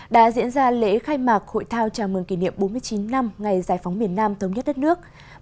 đã diễn ra lễ khai mạc hội thao chào mừng kỷ niệm bốn mươi chín năm ngày giải phóng miền nam thống nhất đất nước